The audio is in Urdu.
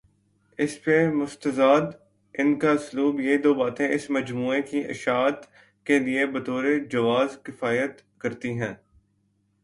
اس پہ مستزاد ان کا اسلوب یہ دوباتیں اس مجموعے کی اشاعت کے لیے بطورجواز کفایت کرتی ہیں۔